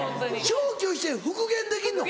消去して復元できるの？